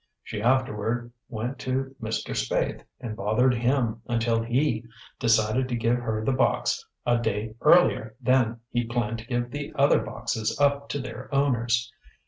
She afterward went to Mr. Spaythe and bothered him until he decided to give her the box a day earlier than he planned to give the other boxes up to their owners.